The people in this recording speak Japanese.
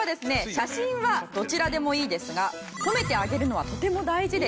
写真はどちらでもいいですが褒めてあげるのはとても大事です。